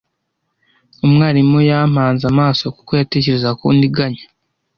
Umwarimu yampanze amaso kuko yatekerezaga ko ndiganya.